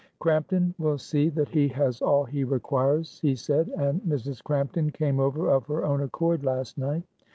"'Crampton will see that he has all he requires,' he said, and Mrs. Crampton came over of her own accord last night.